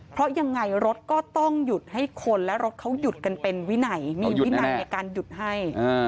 เพราะยังไงรถก็ต้องหยุดให้คนและรถเขาหยุดกันเป็นวินัยมีวินัยในการหยุดให้